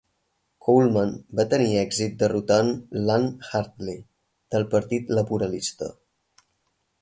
Coleman va tenir èxit derrotant l'Ann Hartley, del Partit Laborista.